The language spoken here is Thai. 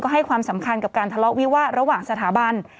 ให้ความสำคัญกับการทะเลาะวิวาสระหว่างสถาบัน